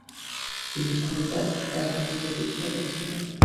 তিনি সামরিক একাডেমি প্রতিষ্ঠা করেছিলেন।